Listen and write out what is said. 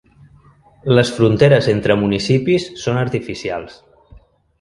Les fronteres entre municipis són artificials.